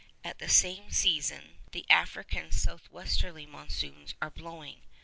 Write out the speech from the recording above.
At the same season the African south westerly monsoons are blowing.